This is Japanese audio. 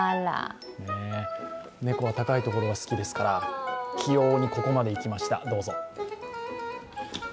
猫は高いところが好きですから器用にここまで行きました。